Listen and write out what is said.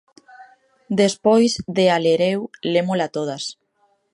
Despois de a ler eu, lemola todas.